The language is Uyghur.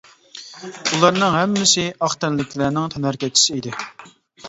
ئۇلارنىڭ ھەممىسى ئاق تەنلىكلەرنىڭ تەنھەرىكەتچىسى ئىدى.